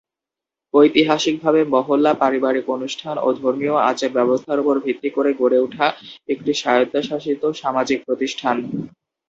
ঐতিহাসিকভাবে, মহল্লা পারিবারিক অনুষ্ঠান ও ধর্মীয় আচার ব্যবস্থার উপর ভিত্তি করে গড়ে উঠা একটি স্বায়ত্তশাসিত সামাজিক প্রতিষ্ঠান।